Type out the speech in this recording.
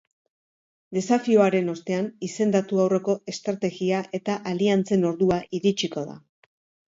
Desafioaren ostean, izendatu aurreko estrategia eta aliantzen ordua iritsiko da.